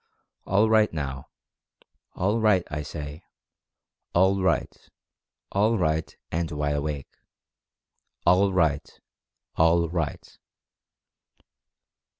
All right, now — ALL RIGHT, I say— ALL RIGHT! ALL RIGHT, and WIDE AWAKE! All Right— ALL RIGHT!"